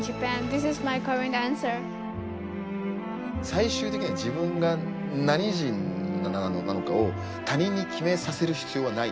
最終的には自分が何人なのかを他人に決めさせる必要はない。